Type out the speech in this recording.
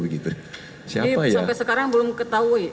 jadi sampai sekarang belum ketahui